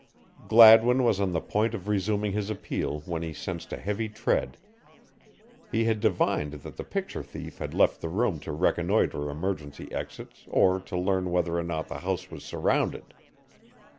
Gladwin was on the point of resuming his appeal when he sensed a heavy tread. He had divined that the picture thief had left the room to reconnoitre emergency exits or to learn whether or not the house was surrounded.